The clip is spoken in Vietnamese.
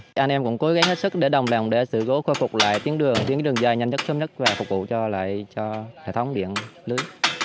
chúng em cũng cố gắng hết sức để đồng lòng để sự cố khôi phục lại tiến đường tiến đường dài nhanh nhất sớm nhất và phục vụ cho lại cho hệ thống điện lưới